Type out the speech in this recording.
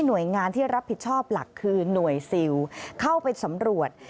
หน่วยงานที่รับผิดชอบหลักคือหน่วยซิลเข้าไปสำรวจ